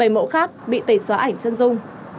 bảy mẫu khác bị tẩy xóa ảnh chân dung